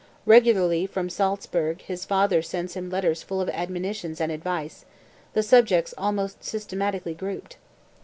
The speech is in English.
Regularly from Salzburg his father sends him letters full of admonitions and advice, the subjects almost systematically grouped.